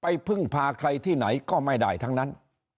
พึ่งพาใครที่ไหนก็ไม่ได้ทั้งนั้น